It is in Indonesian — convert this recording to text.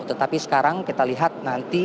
tetapi sekarang kita lihat nanti